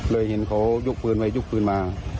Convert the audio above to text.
เห็นเขายกปืนไว้ยกปืนมา